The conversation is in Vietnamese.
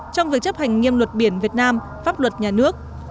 trong việc chấp hành nghiêm luật biển việt nam pháp luật nhà nước